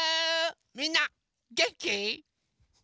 みんなげんき？